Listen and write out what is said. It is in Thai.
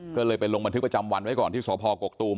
ก็เลยไปลงบันทึกประจำวันไว้ก่อนที่สพกกตูม